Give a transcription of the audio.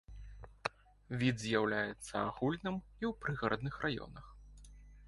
Від з'яўляецца агульным і ў прыгарадных раёнах.